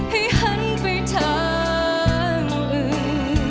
ให้หันไปทางอื่น